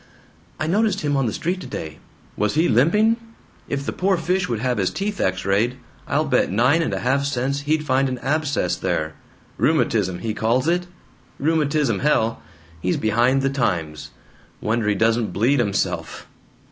"I noticed him on the street today." "Was he limping? If the poor fish would have his teeth X rayed, I'll bet nine and a half cents he'd find an abscess there. 'Rheumatism' he calls it. Rheumatism, hell! He's behind the times. Wonder he doesn't bleed himself!